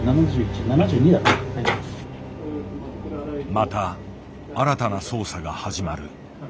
また新たな捜査が始まる。